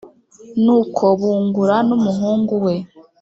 nuko bungura n'umuhungu we,